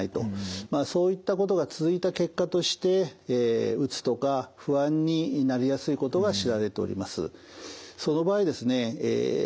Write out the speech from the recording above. まあそういったことが続いた結果としてうつとか不安になりやすいことが知られております。